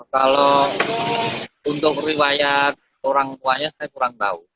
kalau untuk riwayat orang tuanya saya kurang tahu